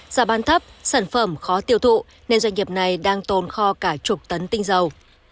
giá bán thấp sản phẩm khó tiêu thụ nên doanh nghiệp này đang tồn kho cả chục tấn tinh dầu